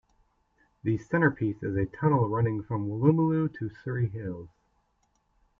The centre-piece is a tunnel running from Woolloomooloo to Surry Hills.